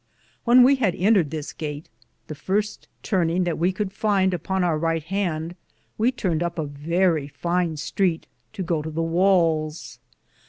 When we had entered this gate, the firste turninge that we could finde upon our Ryghte hande we turned up a verrie fine streete to go to the wales.